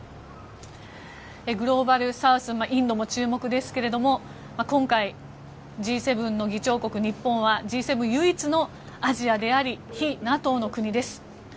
グローバルサウスインドも注目ですけれど今回、Ｇ７の議長国・日本はＧ７唯一のアジアであり非ＮＡＴＯの国です。